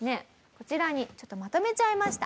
こちらにちょっとまとめちゃいました。